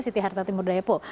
siti harta timur daya pul